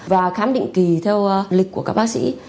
và khám định kỳ theo lịch của các bác sĩ